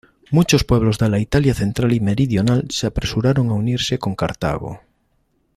Muchos pueblos de la Italia central y meridional se apresuraron a unirse con Cartago.